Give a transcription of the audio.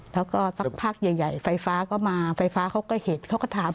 แล้วก็สักพักใหญ่ใหญ่ไฟฟ้าก็มาไฟฟ้าเขาก็เห็นเขาก็ถาม